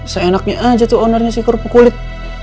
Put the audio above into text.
seenaknya aja tuh ownernya sih kerupuk kulit